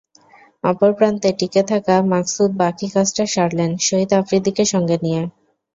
অপর প্রান্তে টিকে থাকা মাকসুদ বাকি কাজটা সারলেন শহীদ আফ্রিদিকে সঙ্গে নিয়ে।